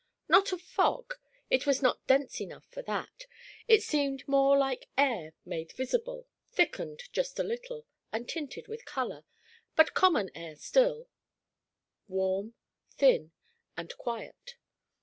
Not a fog, it was not dense enough for that. It seemed more like air made visible, thickened just a little, and tinted with color, but common air still, warm, thin, and quiet.